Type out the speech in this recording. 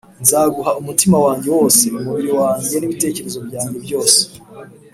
nzaguha umutima wanjye wose, umubiri wanjye, n’ibitekerezo byanjye byose